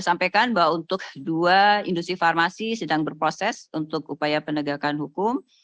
sampaikan bahwa untuk dua industri farmasi sedang berproses untuk upaya penegakan hukum